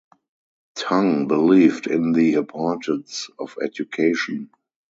Tung believed in the importance of education.